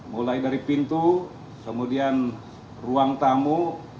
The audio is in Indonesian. mulai dari pintu kemudian ruang tamu